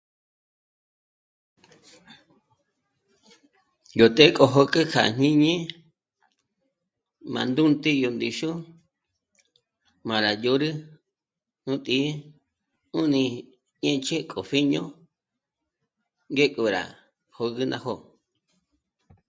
Yó të́'ë k'o jö̌kü k'a jñíni m'ândúnti yó ndíxu m'ârá ndzhôrü nú tǐ 'i 'ùni índzhéko pjíño ngé k'o rá jö̌gü ná jó'o